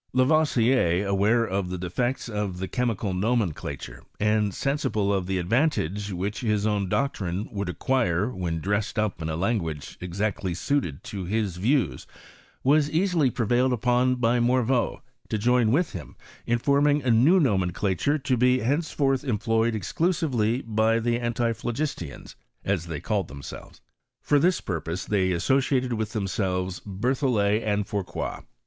Lavoisier, aware of the defects of the chemical nomenclature, and sen sible of the advantage which his own doctrine would acquire wheu dressed up in a language exactly suited to his views, was easily prevailed upon by Morveau to join with him in forming a new nomen clature to be henceforth employed exclusively by the antiphlogistians, as they called themselves. For this purpose they associated with themselves Berthollet, and Fourcroy.